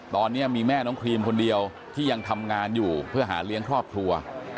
ตอนนี้มีแม่น้องครีมคนเดียวที่ยังทำงานอยู่เพื่อหาเลี้ยงครอบครัว